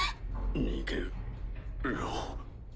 逃げろ。